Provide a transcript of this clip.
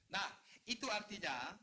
nah itu artinya